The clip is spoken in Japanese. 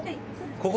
ここ？